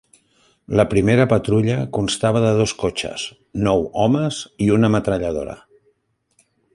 La primera patrulla constava de dos cotxes, nou homes i una metralladora.